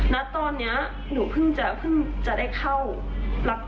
ณตอนนี้หนูเพิ่งจะเข้า